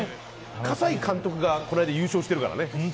葛西監督がこの間優勝しているからね。